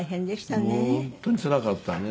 もう本当につらかったね。